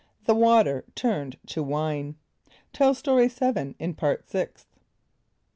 The Water Turned to Wine. (Tell Story 7 in Part Sixth.)